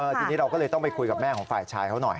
ทีนี้เราก็เลยต้องไปคุยกับแม่ของฝ่ายชายเขาหน่อย